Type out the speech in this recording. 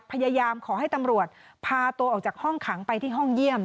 พยายามขอให้ตำรวจพาตัวออกจากห้องขังไปที่ห้องเยี่ยม